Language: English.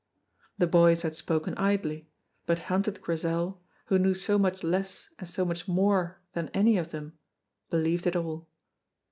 The boys had spoken idly, but hunted Grizel, who knew so much less and so much more than any of them, believed it all.